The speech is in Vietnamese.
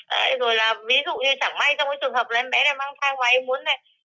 đấy rồi là ví dụ như chẳng may trong cái trường hợp là em bé này mang thai ngoài em muốn này